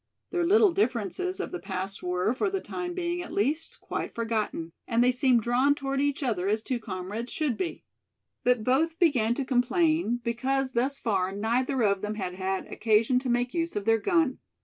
Their little differences of the past were, for the time being at least, quite forgotten; and they seemed drawn toward each other as two comrades should be. But both began to complain because thus far neither of them had had occasion to make use of their gun.